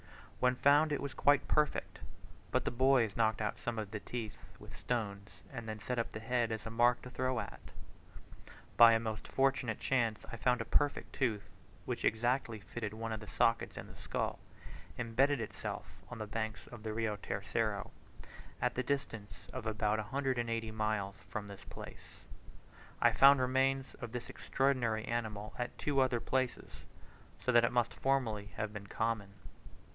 When found it was quite perfect; but the boys knocked out some of the teeth with stones, and then set up the head as a mark to throw at. By a most fortunate chance I found a perfect tooth, which exactly fitted one of the sockets in this skull, embedded by itself on the banks of the Rio Tercero, at the distance of about 180 miles from this place. I found remains of this extraordinary animal at two other places, so that it must formerly have been common.